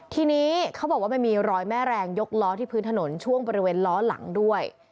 ทีนี้เขาบอกว่ามันมีรอยแม่แรงยกล้อที่พื้นถนนช่วงบริเวณล้อหลังด้วย